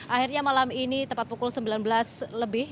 akhirnya malam ini tepat pukul sembilan belas lebih